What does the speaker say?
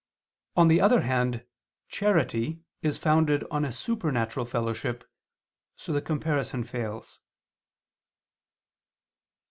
On the other hand, charity is founded on a supernatural fellowship, so the comparison fails.